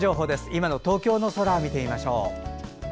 今の東京の空を見てみましょう。